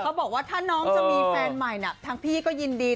บอกว่าถ้าน้องจะมีแฟนใหม่ทางพี่ก็ยินดี